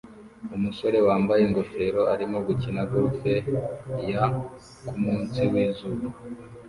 Umusore wambaye ingofero arimo gukina golf ya kumunsi wizuba